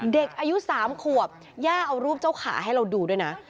เด็กอายุ๓ขวบย่าเอารูปเจ้าขาให้เราดูด้วยนะ